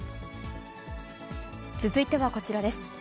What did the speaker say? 続いてはこちらです。